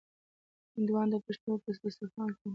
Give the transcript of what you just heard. هندوانه د پښتنو په دسترخوان کې مهمه ده.